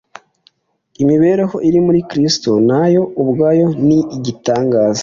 Imibereho iri muri Kristo na yo ubwayo ni igitangaza.